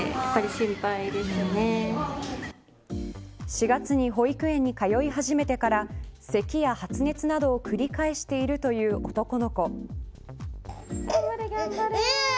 ４月に保育園に通い始めてからせきや発熱などを繰り返しているという男の子。